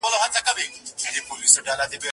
د طبیبانو له کهاله څخه لښکري لري